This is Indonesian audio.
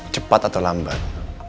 cepat atau lambat